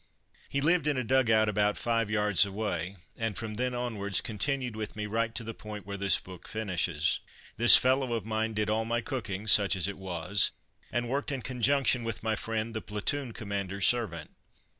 He lived in a dug out about five yards away, and from then onwards continued with me right to the point where this book finishes. This fellow of mine did all my cooking, such as it was, and worked in conjunction with my friend, the platoon commander's servant.